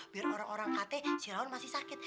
biar orang orang kate si raun masih sakit